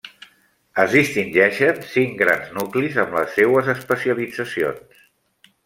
Es distingeixen cinc grans nuclis amb les seues especialitzacions.